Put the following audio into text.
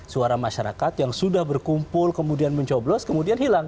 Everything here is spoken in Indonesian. suara masyarakat yang sudah berkumpul kemudian mencoblos kemudian hilang